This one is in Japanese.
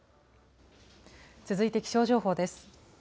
続いて気象情報です。